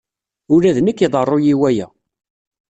Ula d nekk iḍerru-iyi waya.